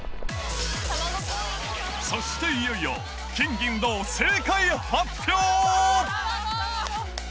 そしていよいよ、金、銀、銅、正解発表。